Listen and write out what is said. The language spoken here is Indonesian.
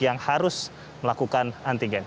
yang harus melakukan antigen